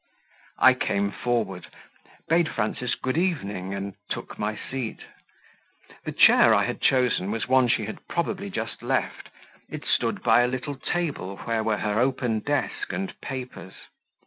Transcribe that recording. I came forward, bade Frances "good evening," and took my seat. The chair I had chosen was one she had probably just left; it stood by a little table where were her open desk and papers.